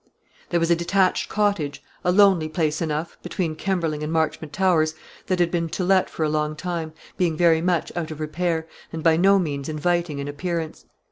There was a detached cottage, a lonely place enough, between Kemberling and Marchmont Towers, that had been to let for a long time, being very much out of repair, and by no means inviting in appearance.